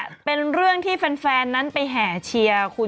สีวิต้ากับคุณกรนิดหนึ่งดีกว่านะครับแฟนแห่เชียร์หลังเห็นภาพ